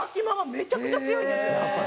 めちゃくちゃ強いんですよ。